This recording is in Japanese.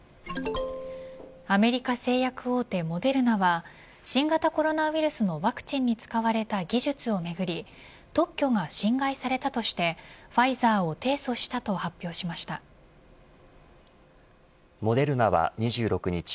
アメリカ製薬大手モデルナは新型コロナウイルスのワクチンに使われた技術をめぐり特許が侵害されたとしてファイザーをモデルナは２６日